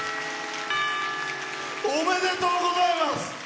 おめでとうございます。